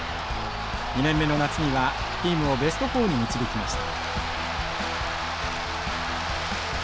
２年目の夏にはチームをベスト４に導きました。